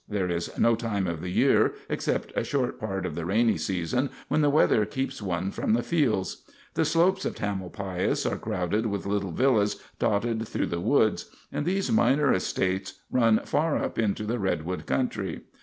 There is no time of the year, except a short part of the rainy season, when the weather keeps one from the fields. The slopes of Tamalpais are crowded with little villas dotted through the woods, and these minor estates run far up into the redwood country.